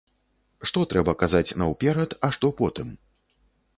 Што трэба казаць наўперад, а што потым?